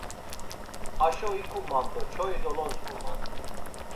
Haşo ikuman do çoi dolozguman.